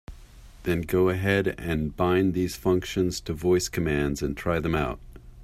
Then go ahead and bind these functions to voice commands and try them out.